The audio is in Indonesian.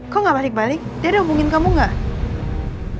kok gak balik balik dia udah hubungin kamu gak